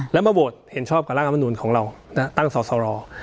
แล้วมาโหวตเห็นชอบกับร่างรัฐมนุนของเราตั้งสอสร